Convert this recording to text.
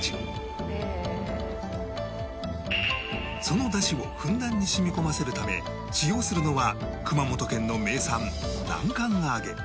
そのだしをふんだんに染み込ませるため使用するのは熊本県の名産南関あげ